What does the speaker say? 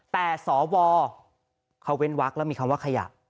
แต่สวเขาเว้นวักแล้วมีคำว่าขยับ